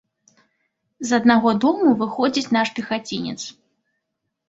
З аднаго дому выходзіць наш пехацінец.